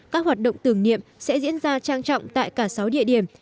các hoạt động tưởng niệm sẽ diễn ra trang trọng tại cả sáu địa điểm